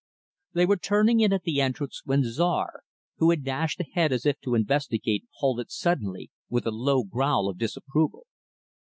They were turning in at the entrance, when Czar who had dashed ahead as if to investigate halted, suddenly, with a low growl of disapproval.